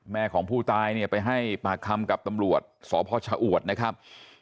แม่ของผู้ตายเนี่ยไปให้ปากคำกับตำรวจสพชะอวดนะครับ